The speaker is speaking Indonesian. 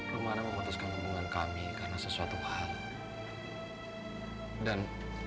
rumahnya memutuskan hubungan kami karena sesuatu hal dan